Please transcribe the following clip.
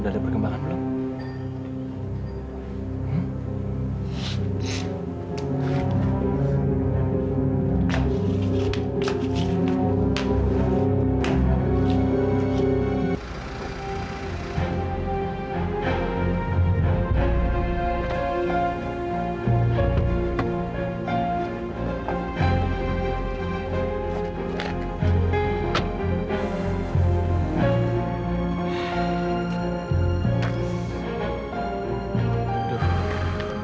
udah ada perkembangan belum